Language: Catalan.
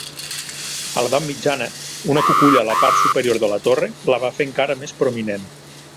A l'edat mitjana, una cuculla a la part superior de la torre la va fer encara més prominent.